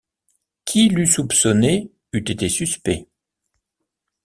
Qui l’eût soupçonné eût été suspect.